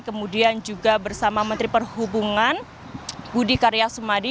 kemudian juga bersama menteri perhubungan budi karya sumadi